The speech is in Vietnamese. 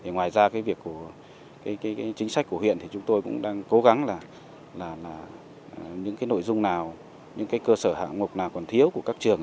ngoài ra chính sách của huyện thì chúng tôi cũng đang cố gắng là những nội dung nào những cơ sở hạng ngục nào còn thiếu của các trường